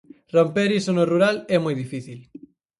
Romper iso no rural é moi difícil.